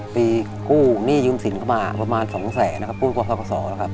ปีกู้หนี้ยุมสินเข้ามาประมาณ๒๐๐๐๐๐บาทพูดกว่าศักดิ์สองแล้วครับ